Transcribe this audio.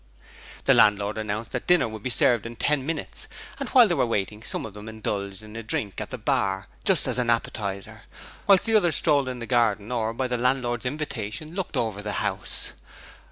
The landlord announced that dinner would be served in ten minutes, and while they were waiting some of them indulged in a drink at the bar just as an appetizer whilst the others strolled in the garden or, by the landlord's invitation, looked over the house.